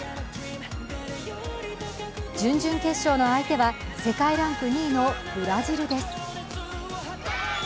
準々決勝の相手は世界ランク２位のブラジルです。